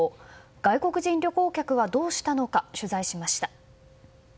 外国人旅行客はどうしたのか取材しました。